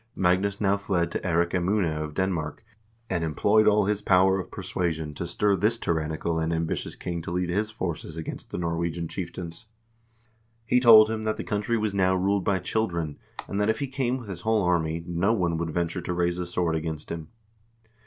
Magnus now fled to Eirik Emune of Denmark, and employed all his power of persuasion to stir this tyrannical and ambitious king to lead his forces against the Norwegian chieftains. He told him that the country was now ruled by children, and that if he came with his whole army, no one would venture to raise a sword against him.